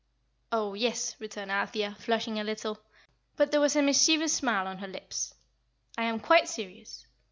"Oh, yes," returned Althea, flushing a little; but there was a mischievous smile on her lips, "I am quite serious.